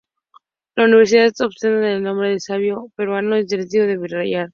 La universidad ostenta el nombre del sabio peruano Federico Villarreal.